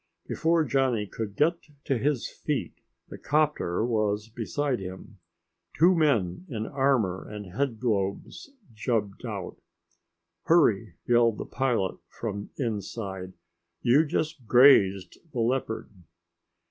Before Johnny could get to his feet the 'copter was beside him. Two men in armor and headglobes jumped out. "Hurry," yelled the pilot from inside. "You just grazed the leopard."